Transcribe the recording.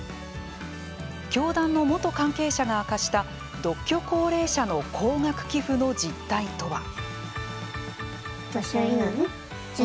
教団の元関係者が明かした独居高齢者の高額寄付の実態とは。